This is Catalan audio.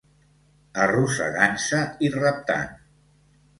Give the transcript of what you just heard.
Arrossegant-se i reptant